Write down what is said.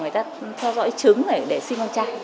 người ta theo dõi trứng này để sinh con trai